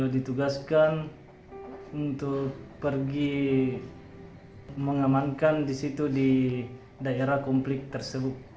ditugaskan untuk pergi mengamankan di situ di daerah konflik tersebut